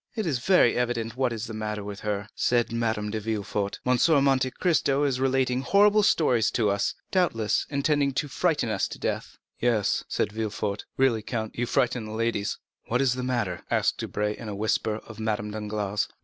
"It is very evident what is the matter with her," said Madame de Villefort; "M. de Monte Cristo is relating horrible stories to us, doubtless intending to frighten us to death." "Yes," said Villefort, "really, count, you frighten the ladies." "What is the matter?" asked Debray, in a whisper, of Madame Danglars.